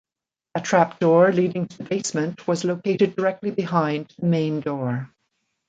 A trap door leading to the basement was located directly behind the main door.